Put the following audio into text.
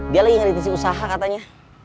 dia lagi ngeritisi usaha katanya